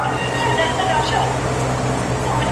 د دغي غونډې هدف له نېکو خلکو څخه مننه وه.